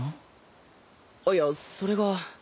あっいやそれが。